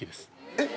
えっ！